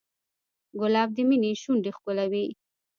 ګلاب د مینې شونډې ښکلوي.